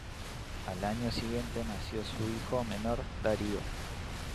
Al año siguiente nació su hijo menor, Darío.